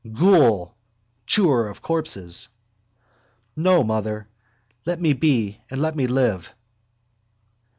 _ Ghoul! Chewer of corpses! No, mother! Let me be and let me live.